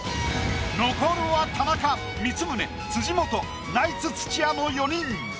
残るは田中光宗辻元ナイツ土屋の４人。